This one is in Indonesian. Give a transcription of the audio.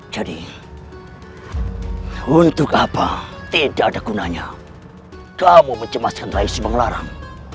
jadi untuk apa tidak ada gunanya kamu mencemaskan rayi subanglarang